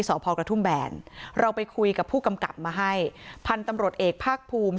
สพกระทุ่มแบนเราไปคุยกับผู้กำกับมาให้พันธุ์ตำรวจเอกภาคภูมิ